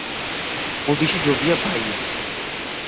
ოდიში ჯობია ბაიას